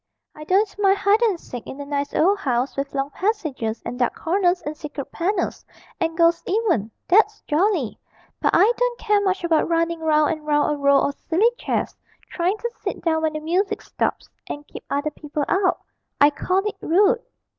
'I don't mind hide and seek in a nice old house with long passages and dark corners and secret panels and ghosts even that's jolly; but I don't care much about running round and round a row of silly chairs, trying to sit down when the music stops and keep other people out I call it rude.'